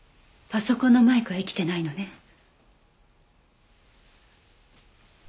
パソコンのマイクは生きてないのね。